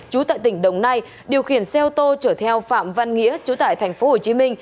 chú tại tỉnh đồng nai điều khiển xe ô tô chở theo phạm văn nghĩa chú tại tp hcm